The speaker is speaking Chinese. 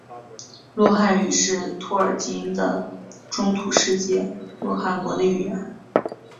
洛汗语是托尔金的中土世界洛汗国的语言。